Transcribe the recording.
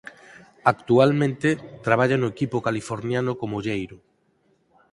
Actualmente traballa no equipo californiano como olleiro.